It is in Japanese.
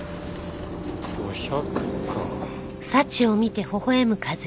５００か。